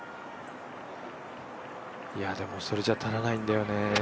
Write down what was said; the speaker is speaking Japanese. でも、それじゃ足らないんだよね。